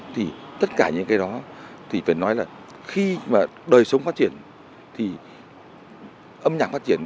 thì tất cả những cái đó thì phải nói là khi mà đời sống phát triển thì âm nhạc phát triển